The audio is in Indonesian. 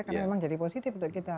karena memang jadi positif untuk kita